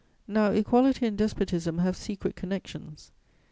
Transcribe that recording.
Now equality and despotism have secret connections.